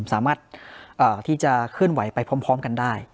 สามารถที่จะเคลื่อนไหวไปพร้อมกันได้